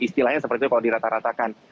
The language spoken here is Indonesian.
istilahnya seperti itu kalau dirata ratakan